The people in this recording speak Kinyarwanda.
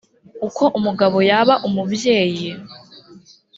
uko umugabo yaba umubyeyi